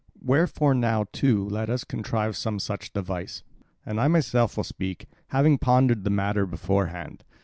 Wherefore now too let us contrive some such device, and I myself will speak, having pondered the matter beforehand.